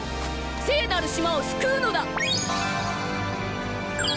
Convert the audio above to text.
聖なる島を救うのだ！